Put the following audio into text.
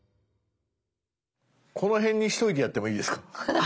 この辺にしといてやってもいいですか。